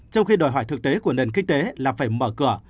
trong khi đòi hỏi thực tế của nền kinh tế là phải mở cửa